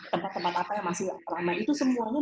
tempat tempat apa yang masih ramai itu semuanya